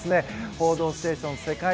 「報道ステーション」世界